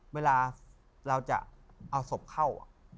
เวลาเราจะเอาศพเข้า